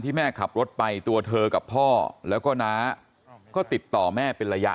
แม่ขับรถไปตัวเธอกับพ่อแล้วก็น้าก็ติดต่อแม่เป็นระยะ